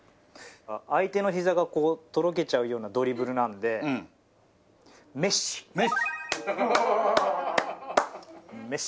相手のひざがとろけちゃうようなドリブルなのでメッシ。